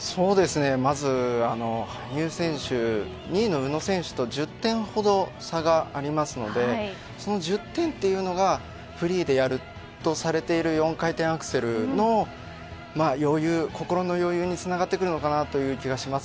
まず羽生選手、２位の宇野選手と１０点ほど差があるのでその１０点がフリーでやるとされている４回転アクセルの心の余裕につながってくるのかなという気がします。